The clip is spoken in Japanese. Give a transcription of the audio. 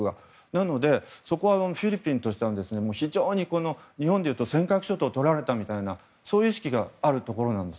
なので、そこはフィリピンとしては非常に日本でいうと尖閣諸島をとられたみたいなそういう意識があるところなんです。